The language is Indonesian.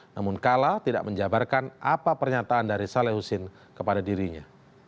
namun kala tidak menjabarkan apa pernyataan dari saleh husin kepada dirinya